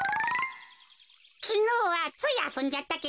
きのうはついあそんじゃったけど。